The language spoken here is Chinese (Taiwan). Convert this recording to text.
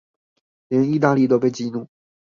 連義大利都被激怒